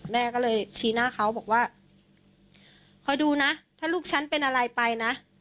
แม่ก็เลยชี้หน้าเขาบอกว่าคอยดูนะถ้าลูกฉันเป็นอะไรไปนะ